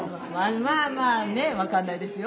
まあまあね分かんないですよ。